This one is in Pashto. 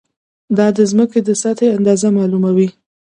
دا د ځمکې د سطحې اندازه معلوموي.